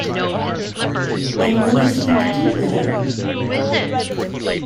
And what is he to do then?